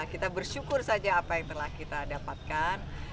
kita bersyukur saja apa yang telah kita dapatkan